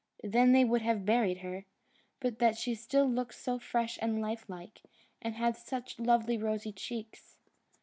Then they would have buried her, but that she still looked so fresh and life like, and had such lovely rosy cheeks.